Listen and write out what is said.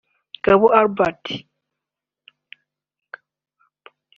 Ngabo Albert